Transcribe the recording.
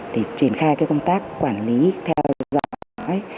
để triển khai công tác quản lý theo dõi